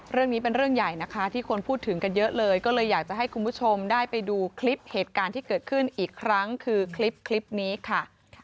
เรื่องนี้เป็นเรื่องใหญ่นะคะที่คนพูดถึงกันเยอะเลยก็เลยอยากจะให้คุณผู้ชมได้ไปดูคลิปเหตุการณ์ที่เกิดขึ้นอีกครั้งคือคลิปนี้ค่ะ